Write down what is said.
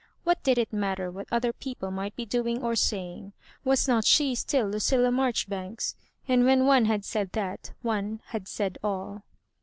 What did it matter wh^t other people might be doing or saying? Was not she still Lucilla Marjori banks? and when one had said that, one had said all.